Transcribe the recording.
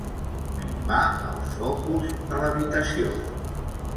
Minvar els focus de l'habitació.